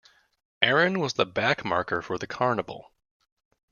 Aaron was the backmarker for the carnival.